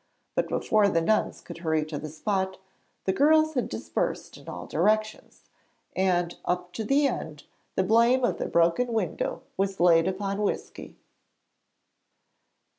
But before the nuns could hurry to the spot, the girls had dispersed in all directions, and, up to the end, the blame of the broken window was laid upon Whisky.